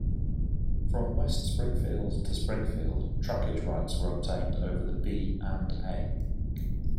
From West Springfield to Springfield, trackage rights were obtained over the B and A.